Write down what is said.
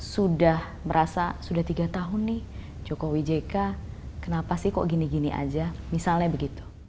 sudah merasa sudah tiga tahun nih jokowi jk kenapa sih kok gini gini aja misalnya begitu